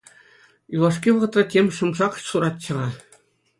Юлашки вӑхӑтра тем шӑм-шак суратчӗ-ха.